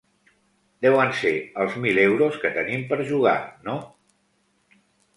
Deuen ser els mil euros que tenim per jugar, no?